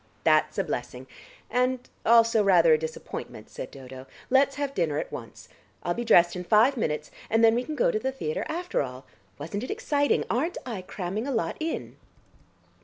"That's a blessing, and also rather a disappointment," said Dodo. "Let's have dinner at once. I'll be dressed in five minutes, and then we can go to the theatre after all. Wasn't it exciting? Aren't I cramming a lot in?"